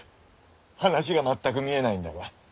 話が全く見えないんだが。